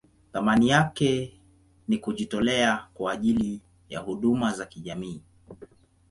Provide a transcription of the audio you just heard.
Thamani yake ni kujitolea kwa ajili ya huduma za kijamii.